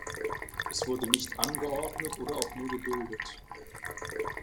Es wurde nicht angeordnet oder auch nur geduldet.